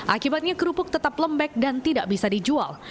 akibatnya kerupuk tetap lembek dan tidak bisa dijual